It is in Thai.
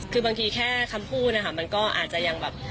คือบางทีแค่คำพูดนะคะมันก็อาจจะยังแบบ